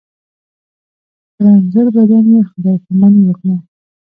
په رنځور بدن یې خدای پاماني وکړه.